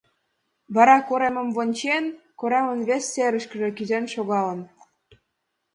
Вара коремым вончен, коремын вес серышкыже кӱзен шогалын.